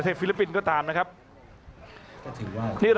อัศวินาศาสตร์